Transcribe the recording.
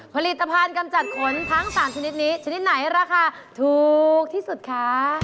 ผลิตภัณฑ์กำจัดขนทั้ง๓ชนิดนี้ชนิดไหนราคาถูกที่สุดคะ